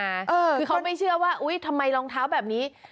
คือเขาไม่เชื่อว่าอุ๊ยทำไมรองเท้าแบบนี้